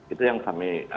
itu yang kami